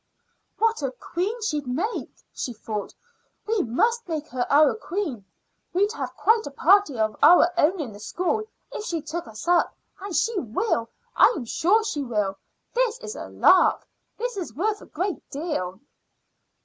"What a queen she'd make!" she thought. "We must make her our queen. We'd have quite a party of our own in the school if she took us up. And she will; I'm sure she will. This is a lark. This is worth a great deal."